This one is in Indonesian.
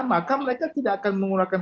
maka mereka tidak akan menggunakan